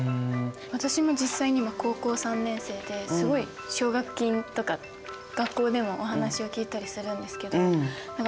私も実際に今高校３年生ですごい奨学金とか学校でもお話を聞いたりするんですけど率直に思います。